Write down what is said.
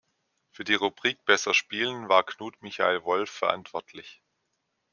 Für die Rubrik „Besser Spielen“ war Knut-Michael Wolf verantwortlich.